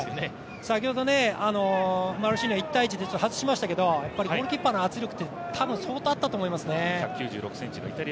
先ほどマルシーニョが１対１で外しましたけど、ゴールキーパーの圧力って相当あったと思いますね。